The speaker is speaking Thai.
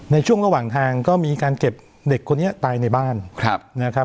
ในช่วงระหว่างทางก็มีการเก็บเด็กคนนี้ตายในบ้านนะครับ